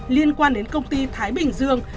liên quan đến công ty thái bình dương